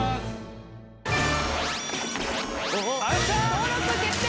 登録決定！